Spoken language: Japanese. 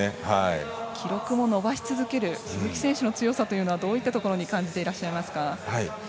記録を伸ばし続ける鈴木選手の強さはどういったところに感じていらっしゃいますか。